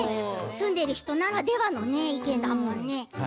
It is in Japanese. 住んでいる人ならではな意見だよね。